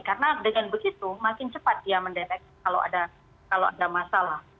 karena dengan begitu makin cepat dia mendeteksi kalau ada masalah